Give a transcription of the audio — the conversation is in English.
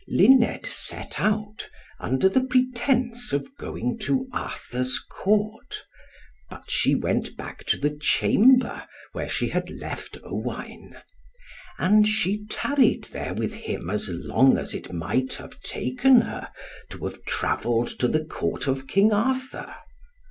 Luned set out, under the pretence of going to Arthur's court; but she went back to the chamber where she had left Owain; and she tarried there with him as long as it might have taken her to have travelled to the Court of King Arthur.